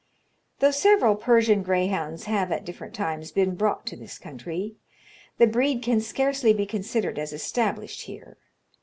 "Though several Persian greyhounds have at different times been brought to this country, the breed can scarcely be considered as established here.